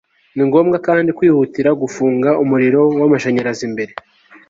ni ngobwa kandi kwihutira gufunga umuriro w'amashanyarazi mbere